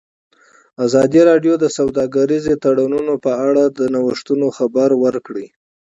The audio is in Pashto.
ازادي راډیو د سوداګریز تړونونه په اړه د نوښتونو خبر ورکړی.